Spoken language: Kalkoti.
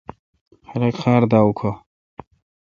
خلق خار دا اوکھا۔